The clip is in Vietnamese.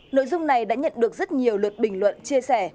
nội dung này đã nhận được rất nhiều lượt bình luận chia sẻ